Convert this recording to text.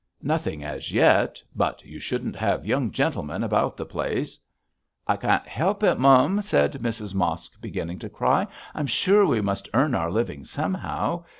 'Nothing as yet; but you shouldn't have young gentlemen about the place.' 'I can't help it, mum,' said Mrs Mosk, beginning to cry. 'I'm sure we must earn our living somehow.